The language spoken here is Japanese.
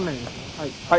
はい。